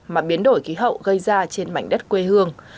mà biến đổi khí hậu gây ra trên mảnh đất quê hương